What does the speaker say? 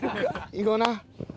行こうな！